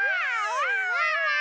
ワンワーン！